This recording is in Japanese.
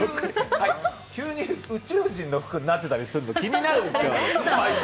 急に宇宙人の服になってたりするの、気になるんですけど。